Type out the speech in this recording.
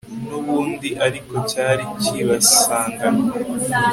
n'ubundi ariko cyari kibisanganywe